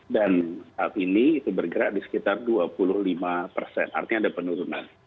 dan hal ini bergerak di sekitar dua puluh lima persen artinya ada penurunan